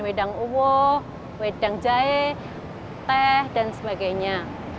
wedang uwo wedang jahe teh dan sebagainya